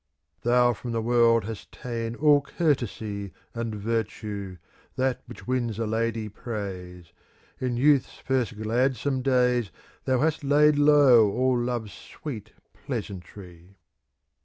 Thou from the world hast ta'en all courtesy. And virtue, that which wins a lady praise : In youth's first gladsome days ^* Thou hast laid low all Love's sweet pleasantry.